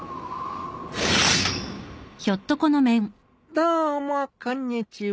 どうもこんにちは。